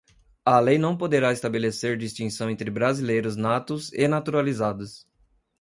A lei não poderá estabelecer distinção entre brasileiros natos e naturalizados